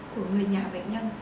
của người nhà bệnh nhân